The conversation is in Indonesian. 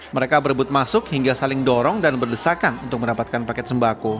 mereka berebut masuk hingga saling dorong dan berdesakan untuk mendapatkan paket sembako